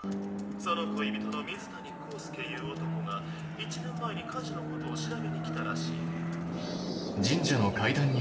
その恋人の水谷浩介いう男が１年前に火事のことを調べに来たらしい。